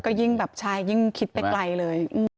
ก็ยิ่งแบบใช่ยิ่งคิดไปไกลเลย